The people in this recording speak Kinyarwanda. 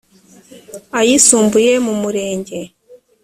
ayisumbuye mu murenge